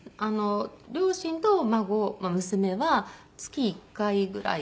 両親と孫娘は月１回ぐらいですね